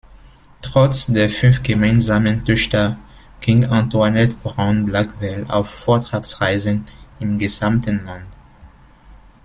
Trotz der fünf gemeinsamen Töchter ging Antoinette Brown Blackwell auf Vortragsreisen im gesamten Land.